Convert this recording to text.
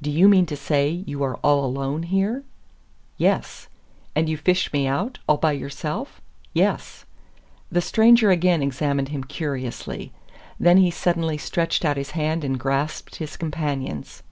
"Do you mean to say you are all alone here?" "Yes. "And you fished me out all by yourself?" "Yes." The stranger again examined him curiously. Then he suddenly stretched out his hand and grasped his companion's.